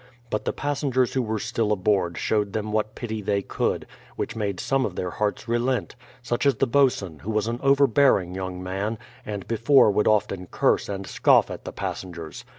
But the passengers who were still aboard showed them what pity they could, which made some of their hearts relent, such as the boatswain, who was an overbearing young man, and before would often curse and scoff at the passengers.